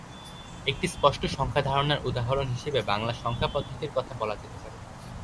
একটি স্পষ্ট সংখ্যা ধারণার উদাহরণ হিসেবে বাংলা সংখ্যা পদ্ধতির কথা বলা যেতে পারে।